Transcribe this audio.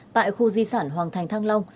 tại khu di sản hoàng thành thăng long